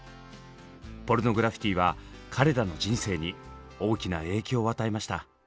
ポルグラフィティは彼らの人生に大きな影響を与えました。